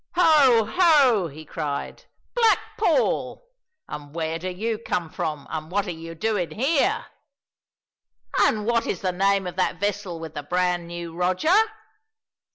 "Ho, ho!" he cried, "Black Paul! And where do you come from, and what are you doing here? And what is the name of that vessel with the brand new Roger?